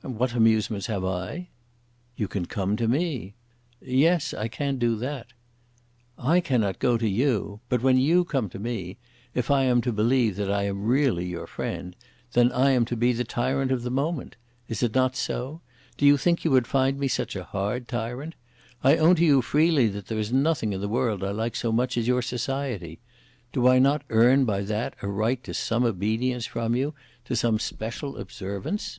"What amusements have I?" "You can come to me." "Yes, I can do that." "I cannot go to you. But when you come to me, if I am to believe that I am really your friend, then I am to be the tyrant of the moment. Is it not so? Do you think you would find me a hard tyrant? I own to you freely that there is nothing in the world I like so much as your society. Do I not earn by that a right to some obedience from you, to some special observance?"